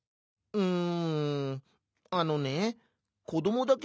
うん？